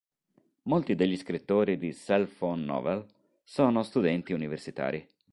Molti degli scrittori di "cell phone novel" sono studenti universitari.